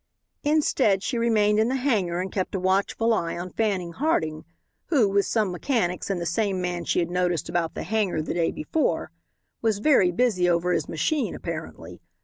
Instead, she remained in the hangar and kept a watchful eye on Fanning Harding, who, with some mechanics and the same man she had noticed about the hangar the day before, was very busy over his machine, apparently.